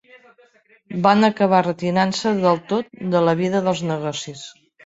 Van acabar retirant-se del tot de la vida dels negocis.